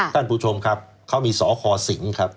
ท่านผู้ชมครับเขามีสคสิงครับ